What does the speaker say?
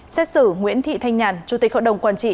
xét xử nguyễn thị thanh nhàn chủ tịch hội đồng quản trị